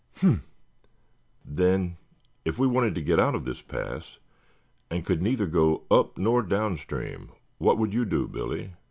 "Humph! Then, if we wanted to get out of this pass, and could neither go up nor downstream, what would you do, Billy?"